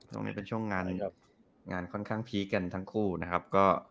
ช่วงนี้เป็นช่วงงานค่อนข้างพีคกันทั้งคู่นะครับ